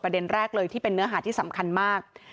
แรกเลยที่เป็นเนื้อหาที่สำคัญมาก